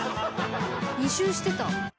２周してた。